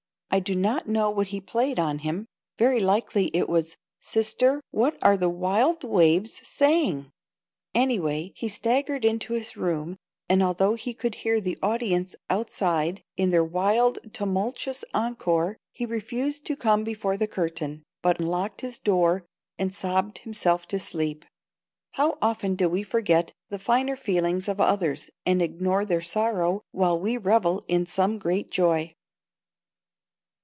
I do not know what he played on him. Very likely it was, "Sister, what are the wild waves saying?" Anyway, he staggered into his room, and although he could hear the audience outside in their wild, tumultuous encore, he refused to come before the curtain, but locked his door and sobbed himself to sleep, How often do we forget the finer feelings of others and ignore their sorrow while we revel in some great joy.